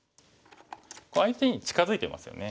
相手に近づいてますよね。